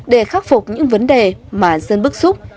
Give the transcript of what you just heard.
để khắc phục những vấn đề mà dân bức xúc